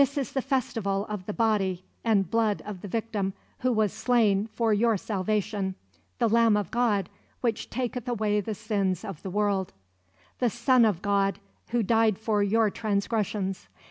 "This is the festival of the Body and Blood of the Victim who was slain for your salvation; the Lamb of God, which taketh away the sins of the world; the Son of God, Who died for your transgressions.